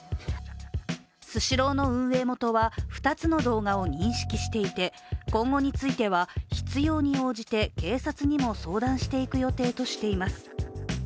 スシローの運営元は、２つの動画を認識していて、今後については、必要に応じて警察にも相談していく予定としています。